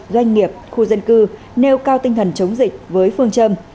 doanh nghiệp khu dân cư nêu cao tinh thần chống dịch với phương châm